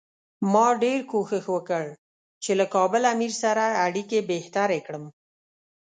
ما ډېر کوښښ وکړ چې له کابل امیر سره اړیکې بهترې کړم.